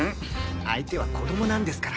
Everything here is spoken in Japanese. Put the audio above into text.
相手は子供なんですから。